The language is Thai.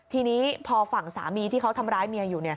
ทีนี้พอฝั่งสามีที่เขาทำร้ายเมียอยู่